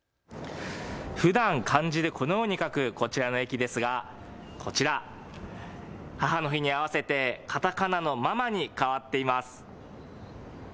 ふだん漢字でこのように書くこちらの駅ですが、こちら、母の日に合わせてカタカナのママに変わっています。